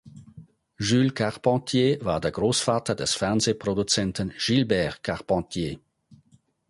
Jules Carpentier war der Großvater des Fernsehproduzenten Gilbert Carpentier.